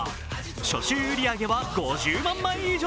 初週売り上げは５０万枚以上。